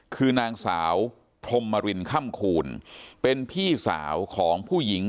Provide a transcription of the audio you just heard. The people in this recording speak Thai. คือนางสาวพรมรินค่ำคูณเป็นพี่สาวของผู้หญิง